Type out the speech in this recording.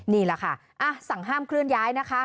นี่แหละค่ะสั่งห้ามเคลื่อนย้ายนะคะ